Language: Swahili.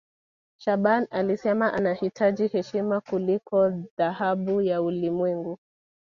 shaaban alisema anahitaji heshima kuliko dhahabu ya ulimwengu